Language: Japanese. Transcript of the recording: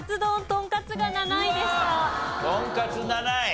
とんかつ７位。